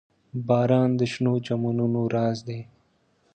• باران د شنو چمنونو راز دی.